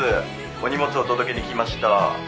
お荷物お届けに来ました